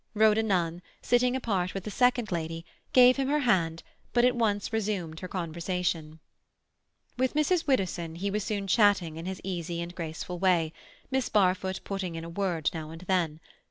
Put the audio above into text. Rhoda Nunn, sitting apart with the second lady, gave him her hand, but at once resumed her conversation. With Mrs. Widdowson he was soon chatting in his easy and graceful way, Miss Barfoot putting in a word now and then.